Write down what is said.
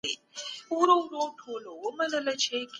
د کندهار صنعت کي ښځې څنګه برخه اخلي؟